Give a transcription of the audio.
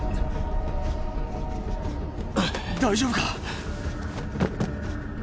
大丈夫か？